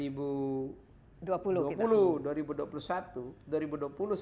yang pasti bahwa tahun selama pandemi covid sembilan belas